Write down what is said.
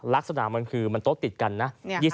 ลักษณะมันคือมันโต๊ะติดกันนะ